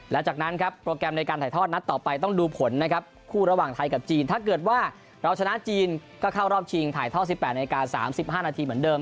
และจากนั้นครับโปรแกรมในการถ่ายทอดนัดต่อไปต้องดูผลนะครับคู่ระหว่างไทยกับจีนถ้าเกิดว่าเราชนะจีนก็เข้ารอบชิงถ่ายท่อ๑๘นาที๓๕นาทีเหมือนเดิม